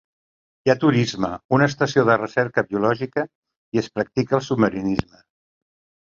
Hi ha turisme, una estació de recerca biològica i es practica el submarinisme.